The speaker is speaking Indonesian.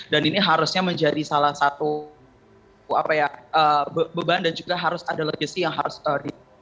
dan ini harusnya menjadi salah satu beban dan juga harus ada legasi